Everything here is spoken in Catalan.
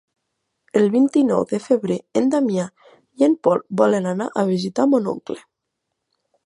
El vint-i-nou de febrer en Damià i en Pol volen anar a visitar mon oncle.